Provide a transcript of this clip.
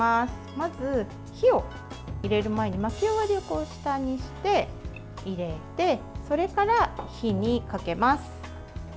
まず、火を入れる前に巻き終わりを下にして入れてそれから火にかけます。